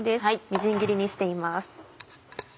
みじん切りにしています。